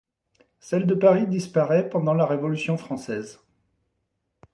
Celle de Paris disparaît pendant la Révolution française.